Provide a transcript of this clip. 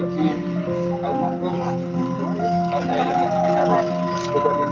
berada di bagian belakang